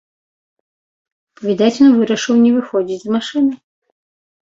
Відаць, ён вырашыў не выходзіць з машыны.